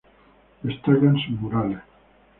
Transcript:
Destacan sus murales.